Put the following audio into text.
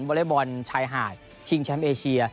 อเล็กบอลชายหาดชิงแชมป์เอเชีย